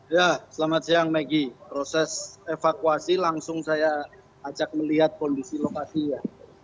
ya selamat siang maggie proses evakuasi langsung saya ajak melihat kondisi lokasinya